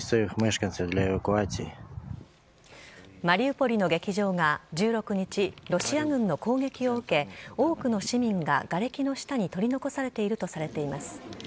マリウポリの劇場が１６日ロシア軍の攻撃を受け多くの市民ががれきの下に取り残されているとしています。